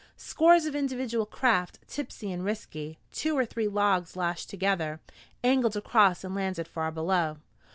Scores of individual craft, tipsy and risky, two or three logs lashed together, angled across and landed far below.